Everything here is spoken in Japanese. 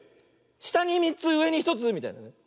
したに３つうえに１つみたいな。